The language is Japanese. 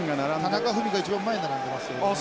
田中史朗が一番前に並んでますけどね。